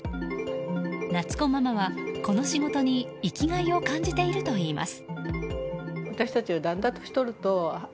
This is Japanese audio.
なつこママは、この仕事に生きがいを感じているといいます。